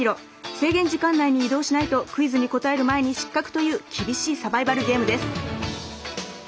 制限時間内に移動しないとクイズに答える前に失格という厳しいサバイバルゲームです。